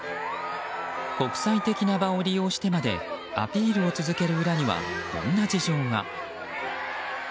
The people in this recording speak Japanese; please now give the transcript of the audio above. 国際的な場を利用してまでアピールを続ける裏にはこんな事情が。